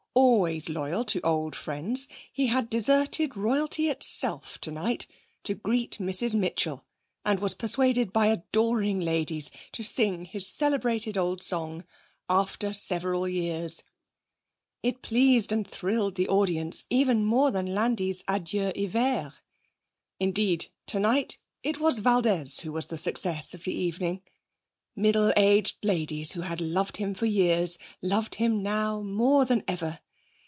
Always loyal to old friends, he had deserted royalty itself tonight to greet Mrs. Mitchell and was persuaded by adoring ladies to sing his celebrated old song, 'After Several Years.' It pleased and thrilled the audience even more than Landi's 'Adieu Hiver'. Indeed, tonight it was Valdez who was the success of the evening. Middle aged ladies who had loved him for years loved him now more than ever.